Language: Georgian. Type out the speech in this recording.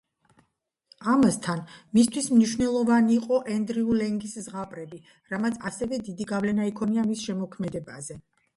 ამასთან, მისთვის მნიშვნელოვანი იყო ენდრიუ ლენგის ზღაპრები, რამაც ასევე დიდი გავლენა იქონია მის შემოქმედებაზე.